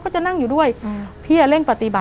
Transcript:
แต่ขอให้เรียนจบปริญญาตรีก่อน